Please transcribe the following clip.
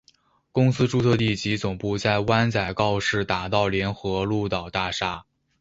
公司注册地及总部在湾仔告士打道联合鹿岛大厦。